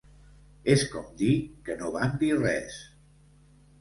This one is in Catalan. Es com dir que no van dir res.